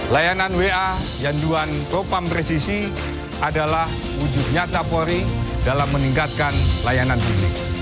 layanan wa yanduan propam presisi adalah wujud nyata polri dalam meningkatkan layanan publik